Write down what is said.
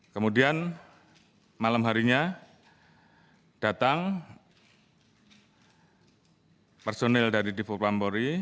kemudian malam harinya datang personil dari dipo propam bori